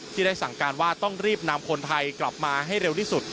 ที่ได้สั่งการว่าต้องรีบนำคนไทยกลับมาให้เร็วที่สุด